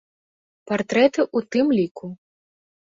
Партрэты ў тым ліку.